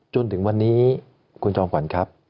จนถึงวันนี้คุณจอมขวัญครับ